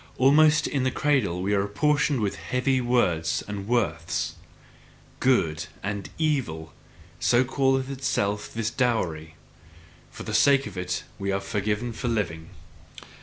Almost in the cradle are we apportioned with heavy words and worths: "good" and "evil" so calleth itself this dowry. For the sake of it we are forgiven for living.